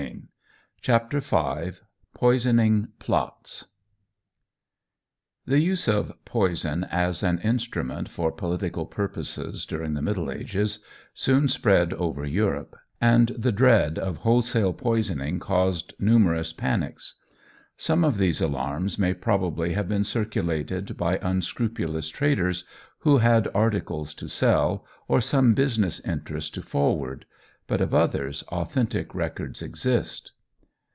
198. CHAPTER V POISONING PLOTS THE use of poison as an instrument for political purposes during the Middle Ages soon spread over Europe, and the dread of wholesale poisoning caused numerous panics. Some of these alarms may probably have been circulated by unscrupulous traders who had articles to sell, or some business interest to forward, but of others authentic records exist.